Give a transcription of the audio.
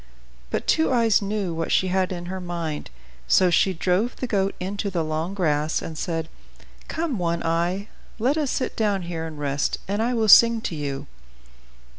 But Two Eyes knew what she had in her mind. So she drove the goat into the long grass, and said, "Come, One Eye, let us sit down here and rest, and I will sing to you."